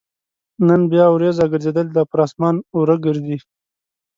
نن بيا اوريځ راګرځېدلې ده او پر اسمان اوره ګرځي